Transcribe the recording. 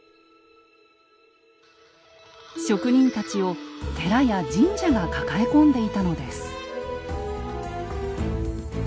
職人たちを寺や神社が抱え込んでいたのです。